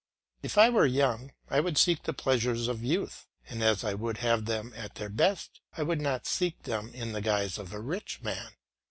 If I were young, I would seek the pleasures of youth; and as I would have them at their best I would not seek them in the guise of a rich man.